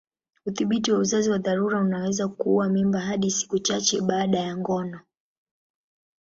Udhibiti wa uzazi wa dharura unaweza kuua mimba hadi siku chache baada ya ngono.